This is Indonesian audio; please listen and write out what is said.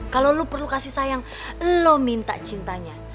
kalau lo perlu kasih sayang lo minta cintanya